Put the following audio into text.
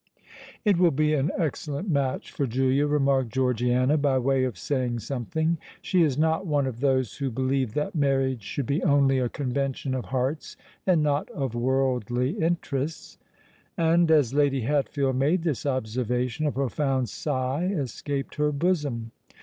"It will be an excellent match for Julia," remarked Georgiana, by way of saying something. "She is not one of those who believe that marriage should be only a convention of hearts, and not of worldly interests." And as Lady Hatfield made this observation, a profound sigh escaped her bosom.